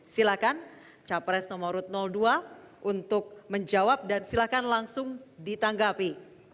silakan capres dua untuk menjawab dan silakan langsung ditanggapi